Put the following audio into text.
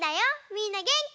みんなげんき？